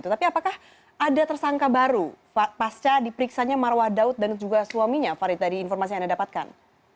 tapi apakah ada tersangka baru pasca diperiksanya marwah daud dan juga suaminya farid dari informasi yang anda dapatkan